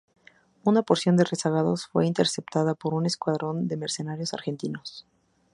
Una porción de rezagados fue interceptada por un escuadrón de mercenarios argentinos.